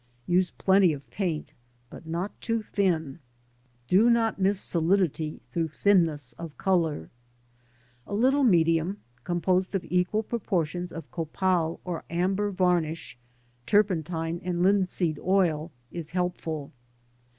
Use plenty of paint, but not too thin. Do not miss solidity through thinness of colour. A little medium, composed of equal proportions of copal or amber varnish, turpentine and linseed oil, is helpful.